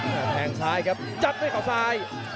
แข่งซ้ายครับจัดไว้ข่าวซ้าย